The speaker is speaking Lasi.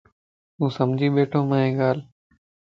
توسمجھي ٻيڻھونَ مانجي ڳالھه؟